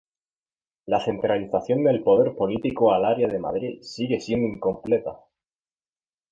La centralización del poder político al área de Madrid sigue siendo incompleta.